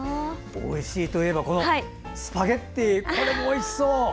おいしいといえばこのスパゲッティこれもおいしそう！